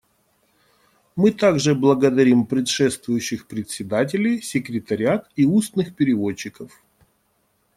Мы также благодарим предшествующих председателей, секретариат и устных переводчиков.